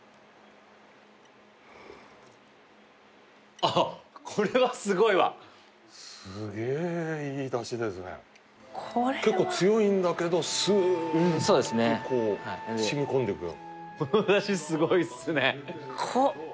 ああこれはすごいわすげーいいダシですね結構強いんだけどスーッとこう染み込んでいくようなこのダシすごいっすね